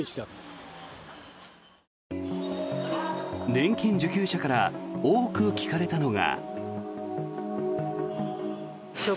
年金受給者から多く聞かれたのが。